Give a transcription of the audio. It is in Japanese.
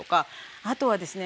あとはですね